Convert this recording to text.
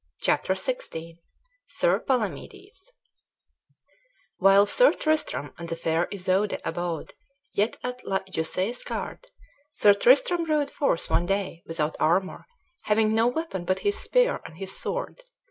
CHAPTER XVI SIR PALAMEDES While Sir Tristram and the fair Isoude abode yet at La Joyeuse Garde, Sir Tristram rode forth one day, without armor, having no weapon but his spear and his sword.